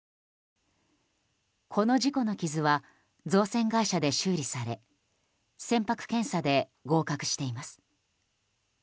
この事故の傷は造船会社で修理され船舶検査で合格しています。